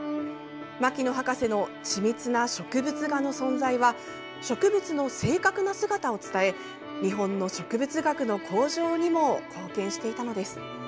牧野博士の緻密な植物画の存在は植物の正確な姿を伝え日本の植物学の向上にも貢献していたのです。